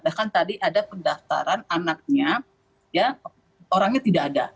bahkan tadi ada pendaftaran anaknya orangnya tidak ada